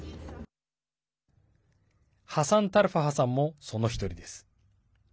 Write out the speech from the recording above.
ハサン・タルファハさんもその一人です。